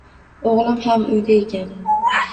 O`g`lim ham uyda ekan